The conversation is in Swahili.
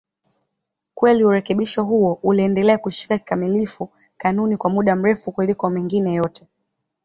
Kweli urekebisho huo uliendelea kushika kikamilifu kanuni kwa muda mrefu kuliko mengine yote.